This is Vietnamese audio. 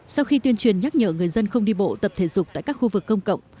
sau khi tuyên truyền nhắc nhở người dân không đi bộ tập thể dục tại các khu vực công cộng